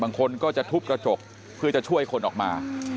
บางคนก็จะทุบกระจกเพื่อจะช่วยคนออกมา